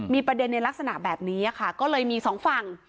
มีประเด็นในลักษณะแบบนี้ค่ะก็เลยมีสองฝั่ง